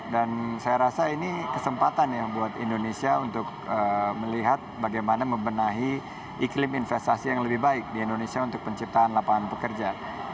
dan saya rasa ini kesempatan ya buat indonesia untuk melihat bagaimana membenahi iklim investasi yang lebih baik di indonesia untuk penciptaan lapangan pekerja